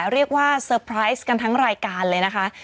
เรียกว่าเซอร์ไพรส์กันทั้งรายการเลยนะคะ